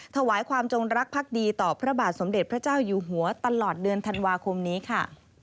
ถวายความจงรักภักดีต่อพระบาทสมเด็จพระเจ้าอยู่หัวตลอดเดือนธันวาคมนี้ค่ะ